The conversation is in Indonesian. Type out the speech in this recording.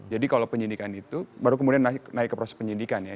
jadi kalau penyelidikan itu baru kemudian naik ke proses penyelidikan ya